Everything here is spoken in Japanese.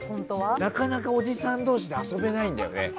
なかなかおじさん同士で遊べないんだよね。